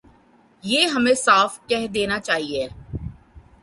یہ ہمیں صاف کہہ دینا چاہیے۔